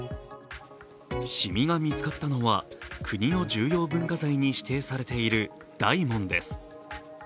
染みが見つかったのは、国の重要文化財に指定されている大門です。